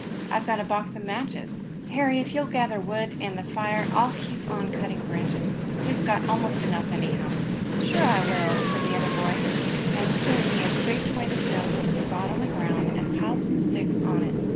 I've got a box of matches. Harry, if you'll gather wood, and the fire, I'll keep on cutting branches. We've got almost enough, anyhow." "Sure, I will!" said the other boy, and soon he had scraped away the snow from a spot on the ground, and had piled some sticks on it.